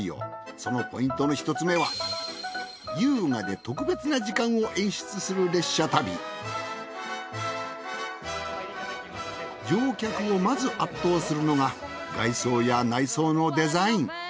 そのポイントの１つ目は優雅で特別な時間を演出する列車旅乗客をまず圧倒するのが外装や内装のデザイン。